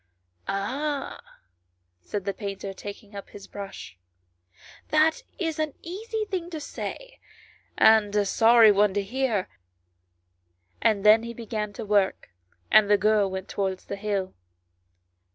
" Ah," said the painter, taking up his brush, " that is an easy thing to say, and a sorry one to hear ;" and then he began to work, and the girl went towards the hill.